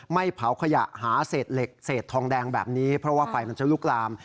เผาขยะหาเศษเหล็กเศษทองแดงแบบนี้เพราะว่าไฟมันจะลุกลาม